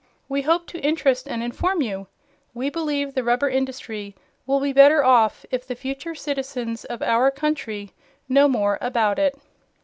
We hope to interest and inform you. We believe the rubber industry will be better off if the future citizens of our country know more about it.